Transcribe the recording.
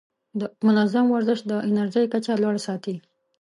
منظم ورزش د انرژۍ کچه لوړه ساتي.